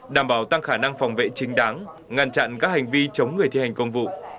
đảm bảo tăng khả năng phòng vệ chính đáng ngăn chặn các hành vi chống người thi hành công vụ